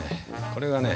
これがね